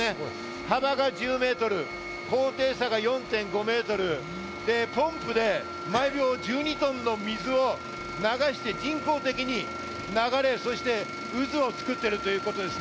幅が１０ｍ、高低差が４．５ｍ、ポンプで毎秒１２トンの水を流して人工的に流れ、渦を作っているということです。